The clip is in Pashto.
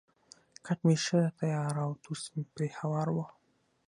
کټ مې ښه تیار او توس پرې هوار وو.